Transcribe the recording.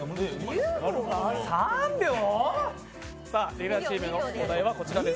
レギュラーチームの問題はこちらです。